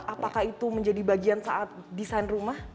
apakah itu menjadi bagian saat desain rumah